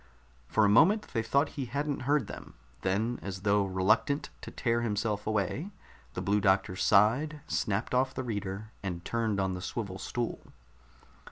For a moment they thought he hadn't heard them. Then, as though reluctant to tear himself away, the Blue Doctor sighed, snapped off the reader, and turned on the swivel stool.